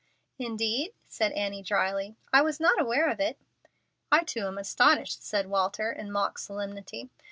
"Indeed?" said Annie, dryly; "I was not aware of it." "I too am astonished," said Walter, in mock solemnity.